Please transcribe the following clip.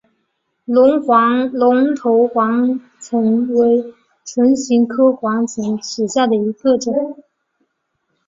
龙头黄芩为唇形科黄芩属下的一个种。